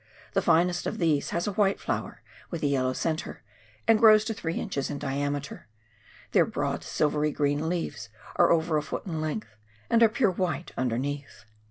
The finest of these has a white flower with a yellow centre, and grows to three inches in diameter ; their broad silvery green leaves are over a foot in length, and are pure white underneath.